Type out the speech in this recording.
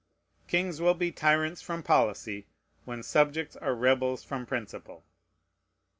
Kings will be tyrants from policy, when subjects are rebels from principle.